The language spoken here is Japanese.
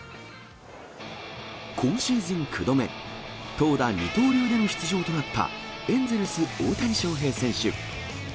今シーズン９度目、投打二刀流での出場となった、エンゼルス、大谷翔平選手。